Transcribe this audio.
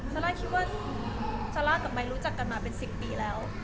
ซาร่าคิดว่าซาร่ากับไมค์รู้จักกันมาเป็น๑๐ปีแล้ว